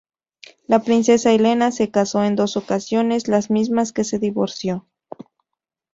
La princesa Elena se casó en dos ocasiones, las mismas que se divorció.